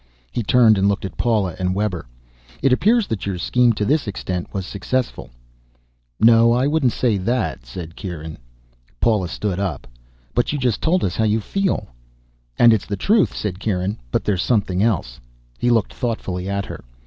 He turned and looked at Paula and Webber. "It appears that your scheme, to this extent, was successful." "No, I wouldn't say that," said Kieran. Paula stood up. "But you just told us how you feel " "And it's the truth," said Kieran. "But there's something else." He looked thoughtfully at her.